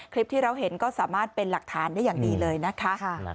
คลิปที่เราเห็นก็สามารถเป็นหลักฐานได้อย่างดีเลยนะคะ